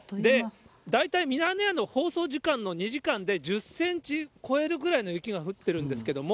大体、ミヤネ屋の放送時間の２時間で、１０センチ超えるぐらいの雪が降ってるんですけども。